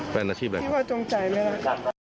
แฟนนาชีพอะไรชิบว่าจงใจไม่รัก